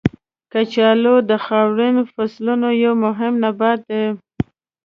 کچالو د خاورین فصلونو یو مهم نبات دی.